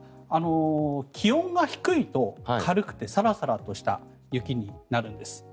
気温が低いと軽くてサラサラとした雪になるんです。